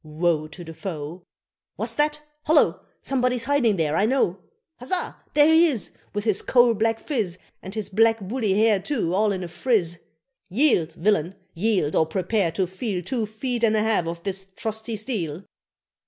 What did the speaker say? Woe to the foe! "What's that? Holloa! Somebody's hiding there, I know. Huzzah! there he is, With his coal black phiz, And his black woolly hair too all in a friz: Yield, villain! yield, or prepare to feel Two feet and a half of this trusty steel!"